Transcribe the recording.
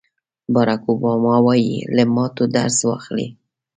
باراک اوباما وایي له ماتو درس واخلئ.